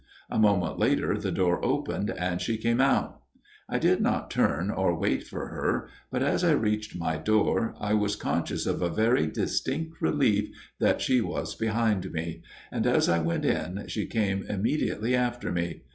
A moment later the door opened and she came out. " I did not turn or wait for her ; but as I reached my door I was conscious of a very dis tinct relief that she was behind me ; and as I went in she came immediately after me.